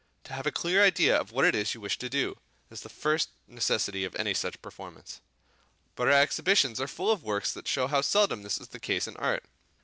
To have a clear idea of what it is you wish to do, is the first necessity of any successful performance. But our exhibitions are full of works that show how seldom this is the case in art.